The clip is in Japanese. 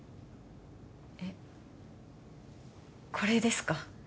えっこれですか？